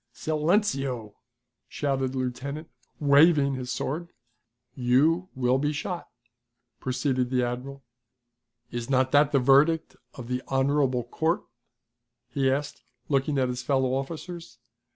"Silenceo!" shouted the lieutenant, waving his sword. "You will be shot," proceeded the admiral. "Is not that the verdict of the honorable court?" he asked, looking at his fellow officers.